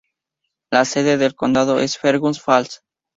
La sede del condado es Fergus Falls.